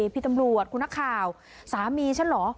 พี่ตำรวจคุณนักข่าวสามีฉันเหรอ